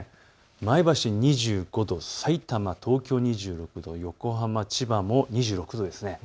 前橋２５度、さいたま、東京２６度、横浜、千葉も２６度です。